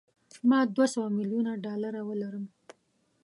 ما دوه سوه میلیونه ډالره ولرم.